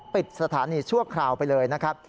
ปิดสถานีชั่วคราวไปเลยนะครับ